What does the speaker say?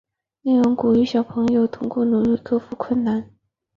内容鼓励小朋友通过努力克服困难。